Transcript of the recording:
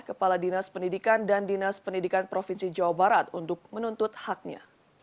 kepala dinas pendidikan dan dinas pendidikan provinsi jawa barat untuk menuntut haknya